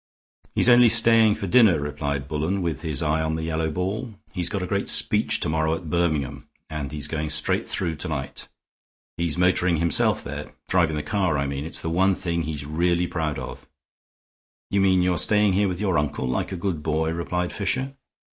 "He's only staying for dinner," replied Bullen, with his eye on the yellow ball. "He's got a great speech to morrow at Birmingham and he's going straight through to night. He's motoring himself there; driving the car, I mean. It's the one thing he's really proud of." "You mean you're staying here with your uncle, like a good boy?" replied Fisher.